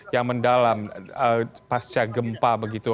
yang mendalam pasca gempa begitu